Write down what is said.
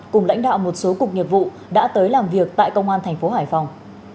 cùng lãnh đạo một số cục nghiệp vụ đã tới làm việc tại công an thành phố hải phòng